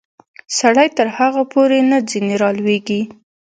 سړی تر هغو پورې نه ځینې رالویږي.